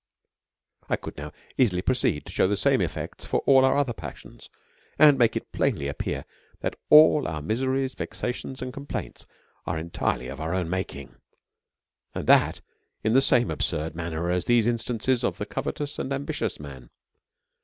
I could now easily proceed to shew the same effects of all our other t>iri<sions, and make it plainly appear, that all our miseries, vexations, and complaints, are entirely of our own making, and that in the same ab surd manner as in these instances of the covetous and ambitious man.